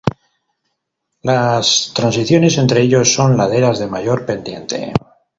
Las transiciones entre ellos son laderas de mayor pendiente.